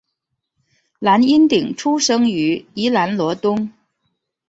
蓝荫鼎出生于宜兰罗东